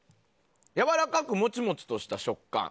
やわらかくもちもちとした食感。